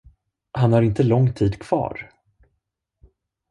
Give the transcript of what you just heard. Han har inte lång tid kvar.